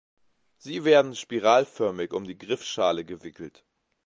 Sie werden spiralförmig um die Griffschale gewickelt.